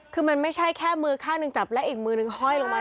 คือมันไม่ใช่แค่มือข้างหนึ่งจับและอีกมือนึงห้อยลงมา